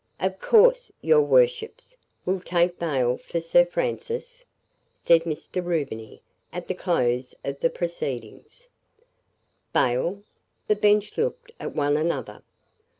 "Of course your worships will take bail for Sir Francis?" said Mr. Rubiny, at the close of the proceedings. Bail! The bench looked at one another.